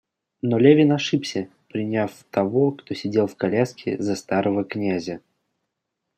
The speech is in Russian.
Но Левин ошибся, приняв того, кто сидел в коляске, за старого князя.